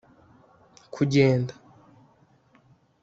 kugenda